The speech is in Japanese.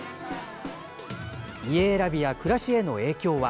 家選びや暮らしへの影響は。